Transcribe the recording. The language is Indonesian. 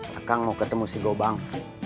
kak kang mau ketemu si gobang